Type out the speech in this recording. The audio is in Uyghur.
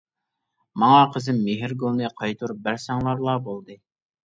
ماڭا قىزىم مېھرىگۈلنى قايتۇرۇپ بەرسەڭلارلا بولدى.